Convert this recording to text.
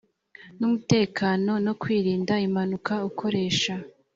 n umutekano no kwirinda impanuka ukoresha